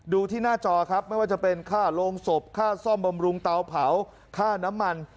ที่หน้าจอครับไม่ว่าจะเป็นค่าโรงศพค่าซ่อมบำรุงเตาเผาค่าน้ำมัน